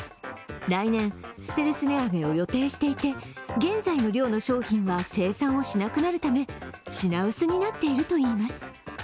来年、ステルス値上げを予定していて、現在の量の商品は生産をしなくなるため、品薄になっているといいます。